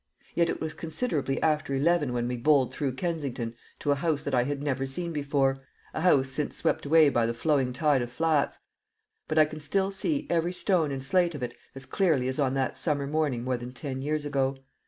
Yet it was considerably after eleven when we bowled through Kensington to a house that I had never seen before, a house since swept away by the flowing tide of flats, but I can still see every stone and slate of it as clearly as on that summer morning more than ten years ago.